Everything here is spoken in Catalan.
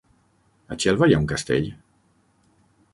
A Xelva hi ha un castell?